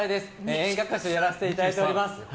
演歌歌手をやらせていただいております。